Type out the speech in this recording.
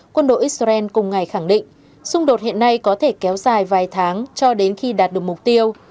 quân đội israel cùng ngày khẳng định xung đột hiện nay có thể kéo dài vài tháng cho đến khi đạt được mục tiêu